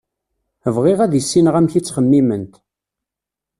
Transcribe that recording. Bɣiɣ ad issineɣ amek i ttxemmiment.